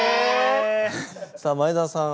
さあ前澤さん